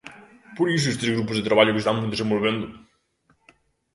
Por iso estes grupos de traballo que estamos desenvolvendo.